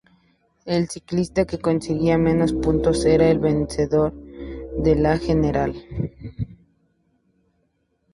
El ciclista que conseguía menos puntos era el vencedor de la general.